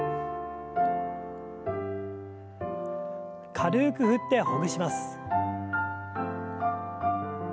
軽く振ってほぐします。